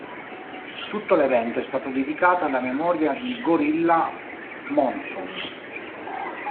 Tutto l'evento è stato dedicato alla memoria di Gorilla Monsoon.